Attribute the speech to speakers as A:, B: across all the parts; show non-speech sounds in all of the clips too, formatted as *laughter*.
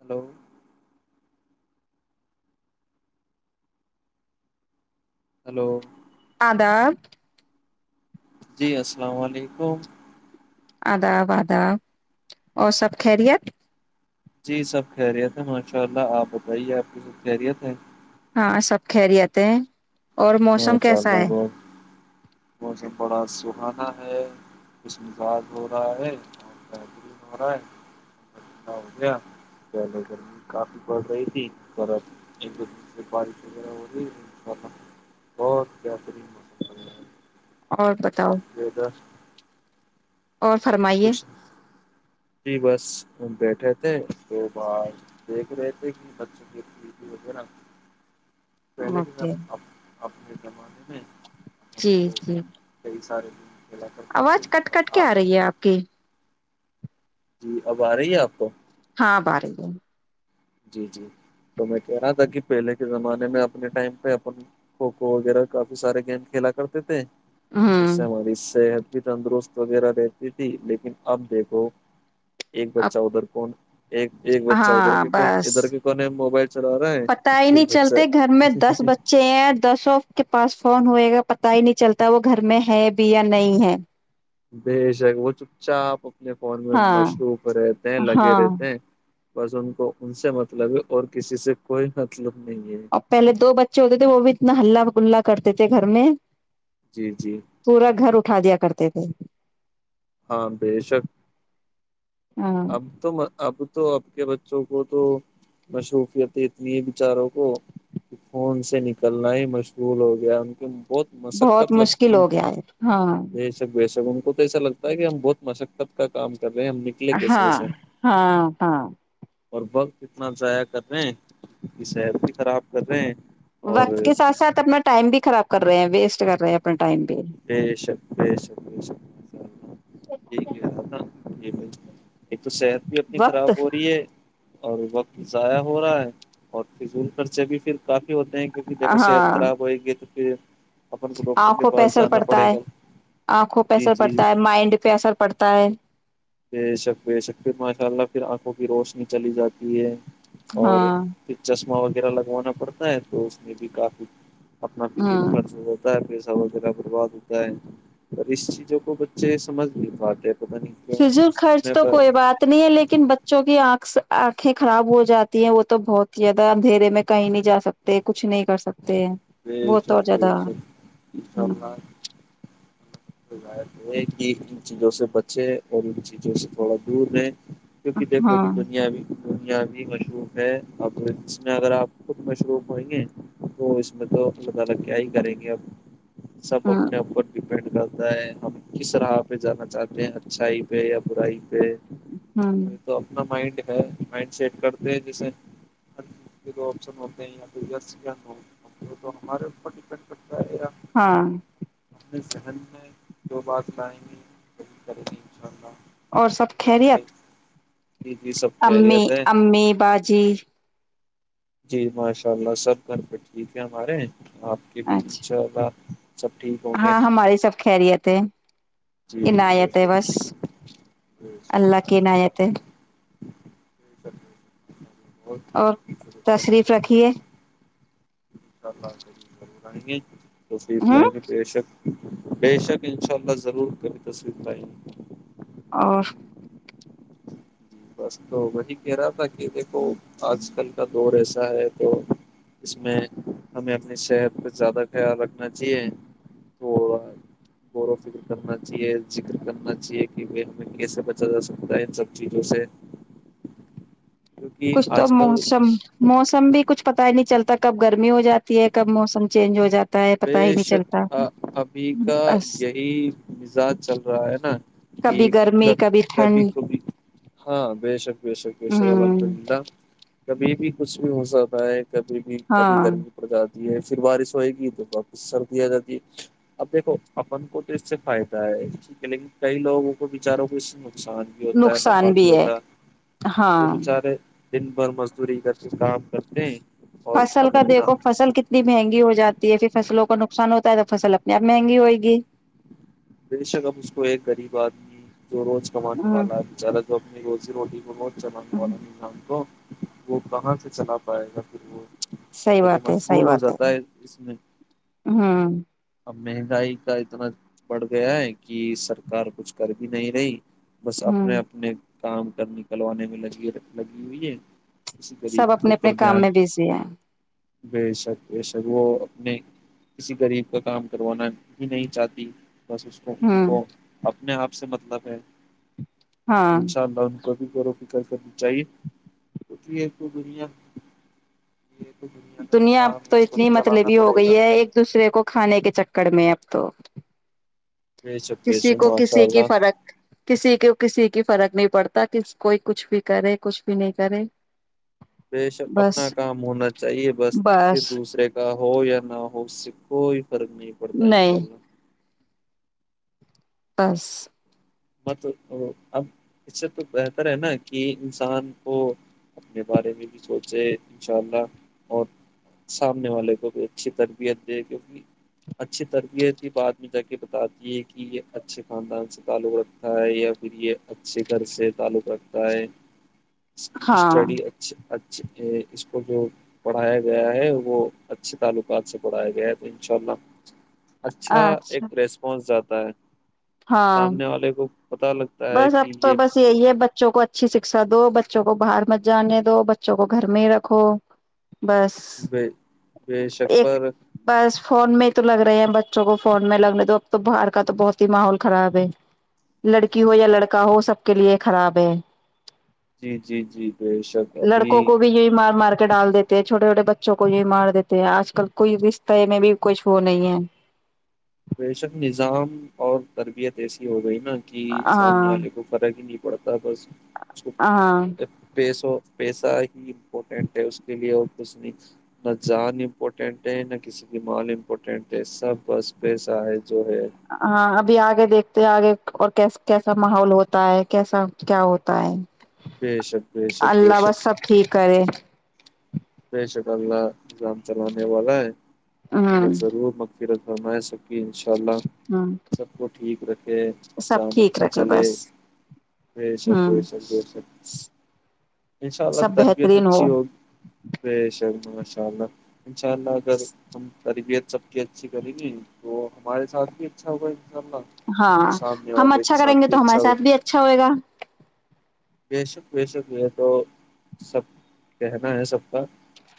A: hello hello
B: آداب
A: جی السلام علیکم
B: آداب آداب اور سب خرت
A: جی سب خیریت ہے ماشاء اللہ آپ بتائیے آپ کی سب خیریت ہے
B: ہاں سب خہریتے ہیں
A: ہاں چ اللہ بت بت ہی بڑا دحانا ہے کش مزاج ہو رہا ہے اور ہو رہا ہےٹنڈا ہو گیا پہلے گرمی کافی پڑ رہی تھی گ ایک د سے بارش وغیرہ ہو رہی ان شاء اللہ بہت بہترین موسم بن رہ ہے
B: اور بتاؤ
A: بس یہد
B: اور فرمائیے
A: جی بس بیٹھے تھے دو بار دیکھ رہے تھے کہ بچوں کے پ وغیرہ پہلے کی س
B: اوکے
A: اب اپنے زمانے میں ہم
B: جی
A: کو
B: جی
A: کئی سارے گیم کھیلا کرتے تھے
B: آواز کٹ کٹ
A: اب
B: کے آ رہی ہے آپ کی
A: جی اب آ رہی ہے آپ کو
B: ہاں اب آرہی ہے
A: جی جی تو میں کہہ رہا تھا کہ پہلے کے زمانے میں اپنے ٹائم پہ اپن کھوکھو وغیرہ کافی سارے گیم کھیلا کرتے تھے اس
B: ہوں
A: سے ہماری سےح تندرست وغیرہ رہتی تھی لیکن اب دیکھو ایک بچہ
B: اب
A: ادھر کون ایک ایک بچہ ادھر
B: ہاں
A: کے کون
B: بس
A: ادھر کے کونے میں موبائل چلا رہا ہے
B: پت ہی
A: ایک
B: نہیں
A: بچہ
B: چلتے گھر میں دس بچے ہیں دسوں کے پاس فون ہوئےا پتا ہی نہیں چلتا وہ گھر میں ہے بھی یا نہیں ہے
A: بے شک وہ چپ چاپ اپنے فون میں
B: ہاں
A: مصروف رہتے ہیں لگے
B: ہاں
A: رہتے ہیں بس ان کو ان سے مطلب ہے اور کسی سے کوئی مطلب نہیں ہے
B: اور پہلے دو بچے ہوتے تھے وہ بھی اتنا ہلہ گلہ کرتے تھے گھر میں
A: جی جی
B: پورا گھر اٹھا دیا کرتے تھے *inaudible*
A: ہاں بیشک
B: ہاں
A: اب تو اب تو اب کے بچوں کو تو مصروفیت اتنی ہے بیچاروں کو کہ فون سے نکلنا ہی مشغول ہو گیا ان کے بہت
B: بہت
A: مشقت لگ
B: مشکل ہو گیا ہے ہاں
A: بے شک بےشک بہت ایسا لگتا ہے کہ ہم بہت مشقت کا کام کر رہے ہیں ہم نکلے کیسے
B: ہاں
A: سے
B: ہاں ہاں
A: اور وقت اتنا ضائع کر رہے ہیں کی صحت بھی خراب کر رہے ہیں اور
B: وقت کے ساتھ ساتھ اپنا ٹائم بھی خراب کر رہے ہیں ویسٹ کر رہے ہیں اپنے
A: بیشک بیشک بیشک *inaudible* ایک تو صحت بھی اپنی
B: وقت
A: خراب ہو رہی ہے اور وقت ضائع ہو رہا ہے اور فضول خرچے بھی پھر کافی ہوتے ہیں کیونکہ دیکو صحت
B: ہاں
A: خراب ہوئے گی تو جی اپن کو ڈاکٹر کے
B: آنکھوں پہ
A: پاس
B: اثر پڑتا ہے آنکھوں پہ
A: جی
B: اثر
A: جی
B: پڑتا ہے مائنڈ پہ اثر پڑتا ہے
A: بے شک بے شک پھر ماشاء اللہ پھر آنکھوں کی روشنی چلی جاتی اور
B: ہاں
A: دلچسپی ا وغیرہ لگوانا پڑتا ہے تو اس میں بھی کافی اپنا فزول
B: ہاں
A: ف ہوتا ہے پ وغیرہ برباد ہوتا ہے اور اس چیزوں کو بچے سمجھ نہیں پاتے پتہ نہیں کیوں
B: شز خرچ
A: میں
B: تو
A: پر
B: کوئی بات نہیں ہے لیکن بچوں کی آنکھ آنکھیں خراب ہو جاتی ہیں وہ تو بہت ہی زیادہ اندھیرے میں کہیں نہیں جا سکتے کچھ نہیں کر سکتے وہ
A: بب
B: تو اور زیادہ
A: بب انشاء
B: ہاں
A: اللہ ان چیزوں سے بچے اور ان چیزوں سے تھوڑا دور رہے کیونک دھو ت دنیا بھی دنیا بھی مشروف ہے اب اس میں اگر آپ خود مشروف ہیں گے تو اس *unintelligible* سب
B: ہاں
A: اپنے ا بھی ڈ کرتا ہے ہم کس راہ پہ جانا چاہتے ہیں اچھائی پہ یا برائی
B: ہاں
A: یہ تو اپنا منڈ ہے منڈ سیٹ کر جیسے ہ چز کے جو آپشن ہوتے ہیں یارس تو ہمارےوپ
B: ہاں
A: اپنے شہر میں جو بات کرائیں گے توب کریں گے اننشاء اللہ
B: اور سب
A: تو ہمیں
B: خریت
A: جی جی سب
B: امی
A: خیریت ہے
B: امی بجی
A: جی ماشاء اللہ سب گھر پہ ٹھیک ہے ہمارے آپ کے بھی
B: اچھا
A: انشاء اللہ سب ٹھیک ہوں گے
B: ہاں ہماری سب خیریت ہے
A: جی جی بے
B: عنایت ہے
A: شک
B: بس اللہ کی عنایت ہے
A: ٹھ س ہے *unintelligible*
B: اور تشریف رکھیے
A: چ آے تصلیف
B: ہوں
A: لائ میں بےشک بے شک انشاء اللہ ضرور کبھی تصویر لائی
B: اور
A: جی بس تو وہی کہہ رہا تھا کہ دیکھو آج کل کا دور ایسا ہے تو اس میں ہمیں اپنی صحت پہ زیادہ خیال رکھنا چاہیے تھوڑا غور و فکر کرنا چاہیے ذکر کرنا چاہیے کہ وہ ہمیں کیسے بچا جا سکتا ہے ان سب چیزوں سے کیونکہ
B: کچھ تو
A: آج کل
B: موسم موسم بھی کچھ پتا ہی نہیں چلتا کب گرمی ہو جاتی ہے کب موسم چینج ہو جاتا ہے پتا ہی نہیں
A: بیش
B: چلتا
A: ابھی کا
B: بس
A: یہی مزاج چل رہ ہے ن
B: کبھی
A: کہ
B: گرمی
A: کب کبھی
B: ٹھنڈ
A: کبھی ہاں بے شک بے شک بے شک
B: ہوں
A: الحمد للہ کبھی بھی کچھ بھی ہو سکتا ہے کبھی بھی کبھی
B: ہاں
A: گرمی پر زیادہ یہ پھر بارش ہوئے گی تو وپ سر دیا جاتی ہے اب دیکھو اپن کو تو اس سے فائدہ ہے ٹھیک ہے لیکن کئی لوگوں کو بچاروں کو اس سے نقصان بھی ہوتا ہے نفع بھی ہوتا ہے وہ
B: ہاں
A: بچارے دن بھر مزدوری کر کے کام کرتے ہیں اور
B: فصل
A: اب
B: کا
A: انہ
B: دیکھو فصل کتنی مہنگی ہو جاتی ہے پھر فصلوں کو کو نقصان ہوتا ہے تو فصل اپنے آپ مہنگی ہوئے گی
A: بے شک ا اس کو ایک غریب آدمی جو روز کمانے والا ہے بچارہ جو اپنی روزی رو ج بہت
B: ہ
A: والام تو وہ کہاں سے چلا پائے گا پھر وہ
B: سحی
A: وہ تو
B: بات ہے سحی
A: مشغول ہو
B: بات ہے
A: جاتا
B: ہوں
A: اس میں اب مہنگائی کا اتنا بڑھ گیا ہے کہ سرکار کچھ کر بھی نہیں رہی بس
B: ہوں
A: اپنے اپنے کام گ نکلوانے میں لگی لگی ہوئی ہے کسی
B: سب
A: غریب کے
B: اپنے اپنے
A: اوپر
B: کام
A: دھیان
B: میں بزی ہے
A: بے شک بے شک وہ اپنے کسی غریب کا کام کروانا ہی نہیں چاہتی بس اس کو ان کو
B: ہوں
A: اپنے آپ سے مطلب ہھ
B: ہاں
A: انشاء اللہ کبھی بور و فکر کرنی چاہیے توک ہے تو دنیا یہ تو کا
B: دنیا
A: نظام
B: تو
A: ہے اس کو
B: اتنی
A: چلانا
B: مطلبی ہو
A: پڑے گا
B: گئی ہے ایک دوسرے کو کھانے کے چکر میں اب تو
A: بے شک بے
B: کسی
A: شک
B: کو
A: ماشاء
B: کسی کی
A: اللہ
B: فرق کسی کو کسی کی فرق نہیں پڑتا کہ کوئی کچھ بھی کرے کچھ بھی نہیں کرے
A: بے شک اپنا
B: بس
A: کام ہونا چاہیے بس پھر دوسرے کا ہو یا نہ ہو س وہ فرق نہیں پڑتا ان شاء
B: نہیں
A: اللہ
B: *inaudible*
A: مت اب اس سے تو بہتر ہے نا کہ انسان کو اپنے بارے میں بھی سوچے انشاء اللہ اور سامنے والے کو بھی اچھی تربیت دے کیونکہ اچھی تربیت ہی بعد میں جا کے بتاتی ہے کہ یہ اچھے خاندان سے تعلق رکھ تا ہے یا پھر یہ اچھے گھر سے تعلق رکھتا ہے اس کی
B: ہاں
A: اسٹڈی اچ اچ اس کو جو پڑھایا گیا ہے وہ اچھے تعلقات سے پڑھایا گیا ہے تو ان شاء اللہ اچھا ایک ریسپانس جا *unintelligible*
B: ہاں
A: سامنے والے کو پتا لگتا ہے
B: بس اب
A: کہ
B: تو
A: یہ
B: بس یہی ہے بچوں کو اچھا اچھی شکشا دو بچوں کو باہر مت جانے دو بچوں کو گھر میں ہی رکھو بس
A: بے بے شک
B: ایک
A: پر
B: بس فون میں تو لگ رہے ہیں بچوں کو فون میں لگنے تو اب تو باہر کا تو بہت ہی ماحول خراب ہے لڑکی لڑکی ہو یا لڑکا ہو سب کے لیے خراب ہے
A: جی جی جی بے شک ابھی
B: لڑکوں کو بھی یہی مار مار ڈال دیتے ہیں چھوٹے چھوٹے بچوں کو یہ مار دیتے ہیں آج کل کوئی رشتے میں بھی کچھ وہ نہیں ہے
A: پیشن نظام اور تربیت ایسی ہو گئی ن کہ سامنے
B: ہاں
A: والے کو فرق ہی نہیں پڑتا بس اس کو
B: ہاں
A: پیسو پیسہ ہی امپورٹینٹ ہے اس کے لیے اور کچھ نہیں نہ جان امپورٹینٹ ہے نہ کسی کی مال امپورٹینٹ ہے سب بس پیسہ ہے جو ہے
B: ہاں ابھی آگے دیکھ آگے اورس کیسا ماحول ہوتا ہے کیسا کیا ہوتا ہے
A: بے شک بے شک بے
B: اللہ
A: شک
B: بس سب ٹھیک کرے
A: بے شک اللہ اسلام چلانے والا ہے
B: ہوں
A: اللہ
B: ہ
A: ضرور م ف سک *unintelligible* سب کو *unintelligible* ٹھیک رکھے کہ
B: سب
A: جام
B: ٹھیک
A: اچھا
B: رکھے
A: چلے
B: بس
A: بے شر بے
B: ہوں
A: شرےر ان شاء اللہ
B: سب
A: تربیت
B: بہترین
A: اچھی
B: ہو
A: ہوگی ب شر ماشاء اللہ انشاءاللہ اگر ہم تربیت سب کی اچھی کرے گی تو ہمارے ساتھ بھی اچھا ہوگا شاء اللہ
B: ہاں
A: سامنے
B: ہم
A: والے کے
B: اچھا کریں
A: ساتھ
B: گے
A: بھی
B: تو ہمارے
A: اچھا ہو
B: ساتھ بھی اچھا ہوئے گا
A: بے شک بے شک یہ تو سب کہنا ہے سب کا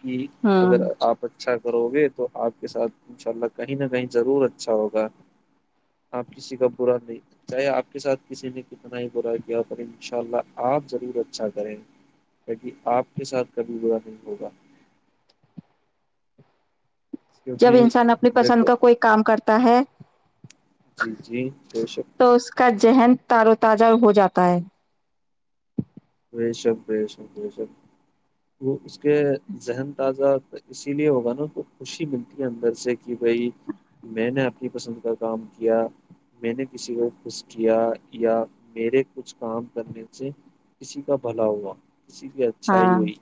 A: ج اگر آپ *unintelligible* اچھا کرو گے تو آپ کے ساتھ ان شاء اللہ کہیں نہ کہیں ضرور اچھا ہوگا آپ کسی کا برا نہیں چاہے آپ کے ساتھ کسی نے کتنا ہی برا کیا پر انشاء اللہ آپ ضرور اچھا کریں لہ آپ کے ساتھ کبھی برا نہیں ہوگا
B: جب
A: کیونکہ
B: انسان اپنی پسند
A: دیکھو
B: کا کوئی کام کرتا ت *unintelligible*
A: جی جی بے شک
B: ذہن تار و تازہ ہو جاتا ہے
A: بے شب بے شب بے شب وہ اس کے ذہن تازہ اسی لیے ہوگا نا کو خوشی ملتی ہے اندر سے کہ بھائی میں نے اپنی پسند کا کام کیا میں نے کسی کو خوش کیا یا میرے کچھ کام کرنے سے کسی کا بھلا ہوا کسی کی اچھائی
B: ہاں
A: ہوئی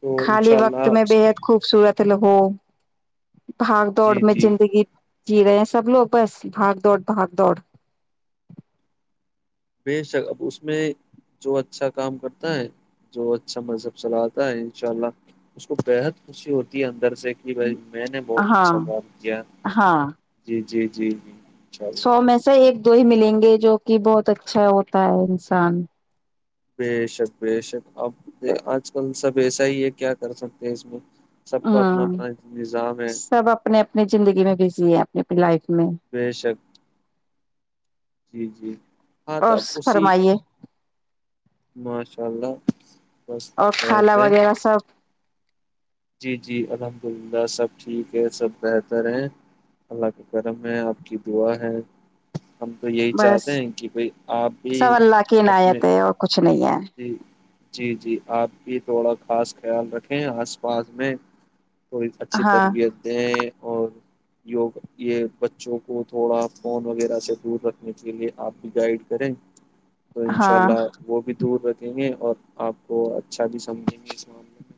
A: تو
B: خالی
A: انشاء
B: وقت
A: اللہ
B: میں بےحد خوبصورت ہو بھا دوڑ
A: جی
B: میں
A: جی
B: زندگی جی رہے ہیں سب لوگ بس بھاگ دوڑ بھاگ دوڑ
A: بے شک اب اس میں جو اچھا کام کرتا ہے جو اچھا مذہب چلاتا ہے ان شاء اللہ اس کو بےحد خوشی ہوتی ہے اندر جیسے کہ بھائی میں نے بہت
B: ہاں
A: اچھا کام کیا
B: ہاں
A: جی جی جی اللہ
B: سو میں سے ایک تو ہی ملیں گے جو کہ بہت اچھا ہوتا ہے انسان
A: بے شک بے شک اب آج کل سب ایسا ہی ہے کیا کر سکتے ہیں اس میں سب کا اپنا
B: ہاں
A: اپنا نظام ہے
B: سب اپنی اپنی زندگی میں بھی جی اپنی پلائی
A: بے شک جی جی ہاں تو
B: اور
A: اسی
B: فرمائیے
A: ماشاء اللہ بس
B: اور کھالا
A: بہتر
B: وغیرہ سب
A: جی جی الحمد للہ سب ٹھیک ہے سب بہتر ہیں اللہ کا کرم ہے آپ کی دعا ہے ہم تو یہی
B: بس
A: چاہتے ہیں کہ بھائی آپ بھی
B: سو اللہ کی
A: اپنے
B: عناایت ہے اور کچھ نہیں ہے
A: جی جی جی آپ بھی تھوڑا خاص خیال رکھیں آس پاس میں کوئی اچھی
B: ہاں
A: تربیت دیں اور یوگا یہ بچوں کو تھوڑا فون وغیرہ سے دور رکھنے کے لئے آپ بھی گائڈ کریں تو ان شاء
B: ہاں
A: اللہ وہ بھی یں گے اور آپ کو اچھا بھی سمجھیں گے اس معاملے میں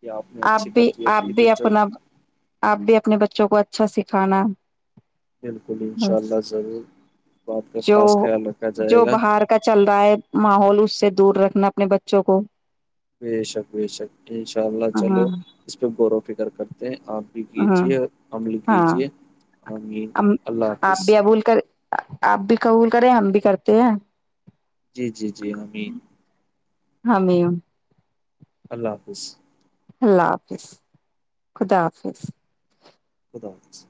A: کہ نے
B: آپ
A: اچھی
B: بھی
A: تربیت
B: آپ
A: دی
B: بھی
A: بچوں
B: اپنا آپ بھی اپنے بچ بچوں کو اچھا سکھانا
A: بالکل انشاء اللہ ضرور بات کا
B: جو
A: خاص خیال رکھا جائے
B: جو
A: گا
B: باہر کا چل رہا ہے ماحول اس سے دور رکھنا اپنے بچوں کو
A: ب شک بی شک شک شاملہ چلو اس پہ غور و فکر کرتے تو
B: ہ ہاں
A: آمین اللہ
B: آپ
A: حافظ
B: بھی ابول کر آپ بھی قبول کرے ہم بھی کرتے ہیں
A: جی جی جی حمیین
B: ہم م
A: اللہ حافظ
B: اللہ حافظ خدا حافظ
A: خدا حافظ